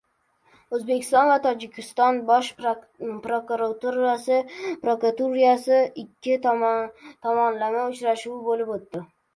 O‘zbekiston va Tojikiston Bosh prokurorilarining ikki tomonlama uchrashuvi bo‘lib o‘tdi